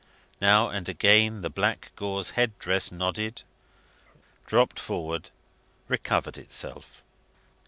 Now and again, the black gauze head dress nodded, dropped forward, recovered itself.